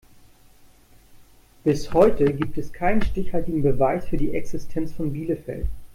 Bis heute gibt es keinen stichhaltigen Beweis für die Existenz von Bielefeld.